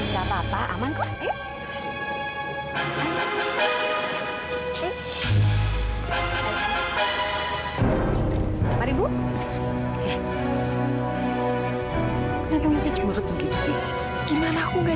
sampai jumpa di video selanjutnya